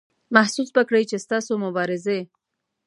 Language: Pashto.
محسوس به کړئ چې ستاسو مبارزې.